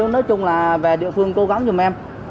nói chung là về địa phương cố gắng giùm em